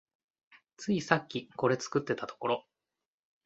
ついさっきこれ作ってたところ